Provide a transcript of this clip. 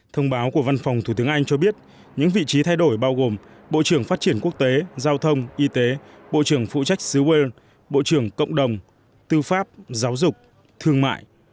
thông báo của văn phòng thủ tướng anh cho biết những vị trí thay đổi bao gồm bộ trưởng phát triển quốc tế giao thông y tế bộ trưởng phụ trách xứ quên bộ trưởng cộng đồng tư pháp giáo dục thương mại